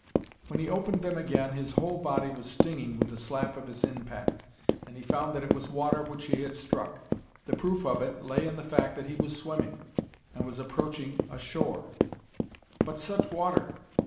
When he opened them again, his whole body was stinging with the slap of his impact, and he found that it was water which he had struck. The proof of it lay in the fact that he was swimming, and was approaching a shore. But such water!